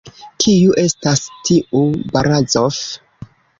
Kiu estas tiu Barazof?